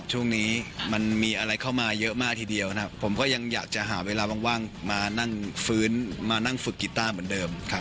ช่วงนี้มันมีอะไรเข้ามาเยอะมากทีเดียวนะครับผมก็ยังอยากจะหาเวลาว่างมานั่งฟื้นมานั่งฝึกกีต้าเหมือนเดิมครับ